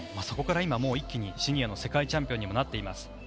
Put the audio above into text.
そこから今、一気にシニアの世界チャンピオンになっています。